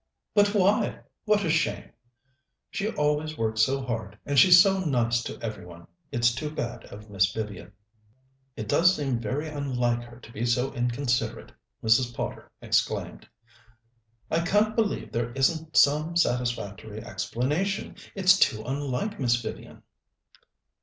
"But why? What a shame!" "She always works so hard, and she's so nice to every one. It's too bad of Miss Vivian." "It does seem very unlike her to be so inconsiderate!" Mrs. Potter exclaimed. "I can't believe there isn't some satisfactory explanation. It's too unlike Miss Vivian."